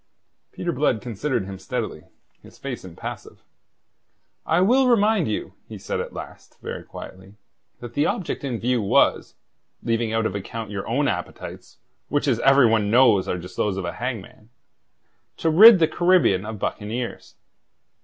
Peter Blood considered him steadily, his face impassive. "I will remind you," he said at last, very quietly, "that the object in view was leaving out of account your own appetites which, as every one knows, are just those of a hangman to rid the Caribbean of buccaneers.